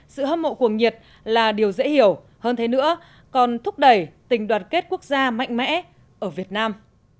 sự hâm mộ cuồng nhiệt là điều dễ hiểu hơn thế nữa còn thúc đẩy tình đoàn kết quốc gia mạnh mẽ ở việt nam